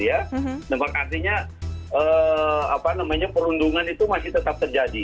artinya perundungan itu masih tetap terjadi